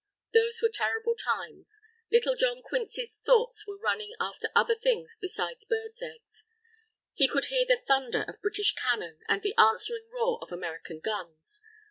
Those were terrible times. Little John Quincy's thoughts were running after other things besides birds' eggs. He could hear the thunder of British cannon and the answering roar of American guns.